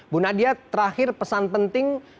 bu nadia terakhir pesan penting